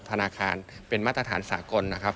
ธนาคารเป็นมาตรฐานสากลนะครับ